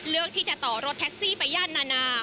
เลือกที่จะต่อรถแท็กซี่ไปย่านนานา